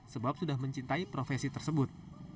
sebab sudah mencintai profesi tersebut